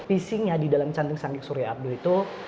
isinya di dalam canting sangking surya abduh itu